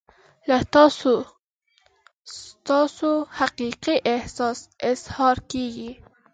له تاسو ستاسو حقیقي احساس اظهار کیږي.